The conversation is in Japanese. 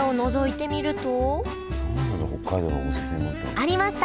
ありました！